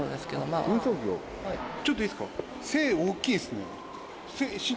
あちょっといいですか？